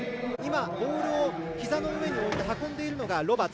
ボールをひざの上において運んでいるのがロバーツ。